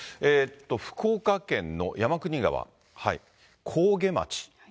福岡県の山国川、上毛町。